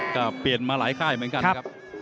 ก็เปลี่ยนมาหลายค่ายเหมือนกันครับ